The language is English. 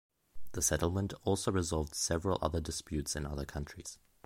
The settlement also resolved several other disputes in other countries.